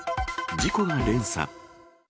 事故が連鎖。